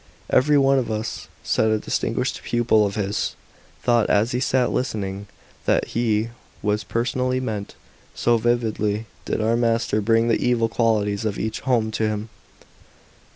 " Every one of us," said a distinguished pupil of his, * ''thought, as he sat listening, that he was personally meant; so vividly did our master bring the evil qualities of each home to him."